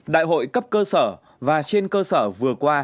đại hội cấp cơ sở và trên cơ sở vừa qua